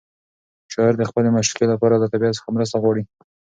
شاعر د خپلې معشوقې لپاره له طبیعت څخه مرسته غواړي.